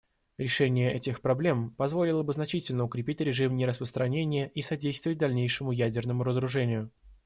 Решение этих проблем позволило бы значительно укрепить режим нераспространения и содействовать дальнейшему ядерному разоружению.